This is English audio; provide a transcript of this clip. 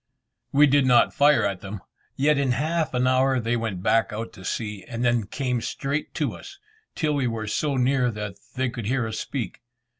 We did not fire at them, yet in half an hour they went back out to sea, and then came straight to us, till we were so near that they could hear us speak.